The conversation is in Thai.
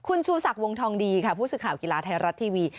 คุณชูศักดิ์วงทองดีค่ะผู้สื่อข่าวกีฬาไทยรัฐทีวี